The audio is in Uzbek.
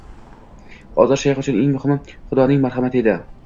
Hozir shayx uchun eng muhimi Xudoning marhamati edi